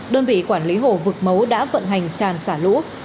đơn vị quản lý hồ vực mấu đã vận hành tràn xả lũ